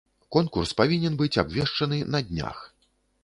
Конкурс павінен быць абвешчаны на днях.